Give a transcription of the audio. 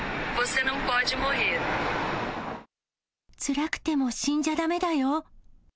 つらくても死んじゃだめだよ！